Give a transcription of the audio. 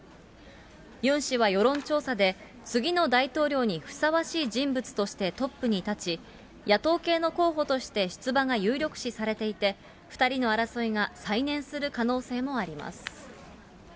ユン氏は世論調査で、次の大統領にふさわしい人物としてトップに立ち、野党系の候補として出馬が有力視されていて、２人の争いが再燃する可能性もあります。